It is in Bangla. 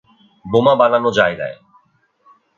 বোমা বানানো জায়গায়।